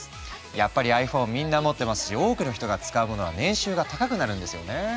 やっぱりｉＰｈｏｎｅみんな持ってますし多くの人が使うものは年収が高くなるんですよね。